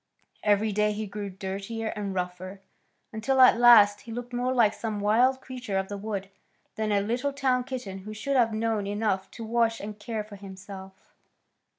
Every day he grew dirtier and rougher, until at last he looked more like some wild creature of the wood than a little town kitten who should have known enough to wash and care for himself.